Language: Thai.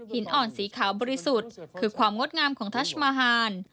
หินอ่อนสีขาวบริสุทธิ์คือความงดงามของทัชมาฮาน